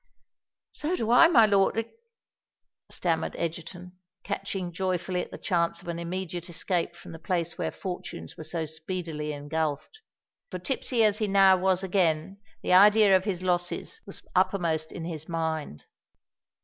"So do I, my lord——hic," stammered Egerton, catching joyfully at the chance of an immediate escape from the place where fortunes were so speedily engulphed;—for tipsy as he now was again, the idea of his losses was uppermost in his mind.